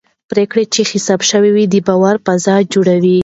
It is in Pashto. پرېکړې چې حساب شوي وي د باور فضا جوړوي